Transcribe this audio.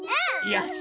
よし！